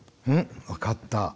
分かった。